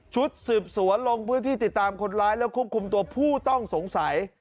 ชุดสืบสวนลงพื้นที่ติดตามคนร้ายแล้วควบคุมตัวผู้ต้องสงสัย